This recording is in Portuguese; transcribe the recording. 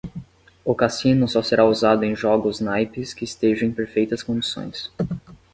O cassino só será usado em jogos naipes que estejam em perfeitas condições.